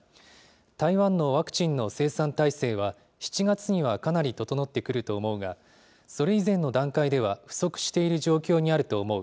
台湾のワクチンの生産体制は７月にはかなり整ってくると思うが、それ以前の段階では不足している状況にあると思う。